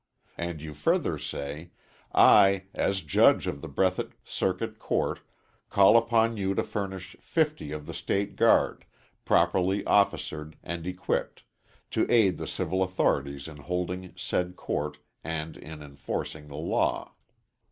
And you further say: "I, as judge of the Breathitt Circuit Court, call upon you to furnish fifty of the State Guard, properly officered and equipped, to aid the civil authorities in holding said court and in enforcing the law."